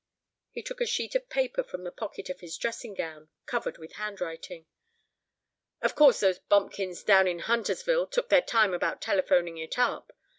He took a sheet of paper from the pocket of his dressing gown, covered with handwriting. "Of course those bumpkins down in Huntersville took their time about telephoning it up.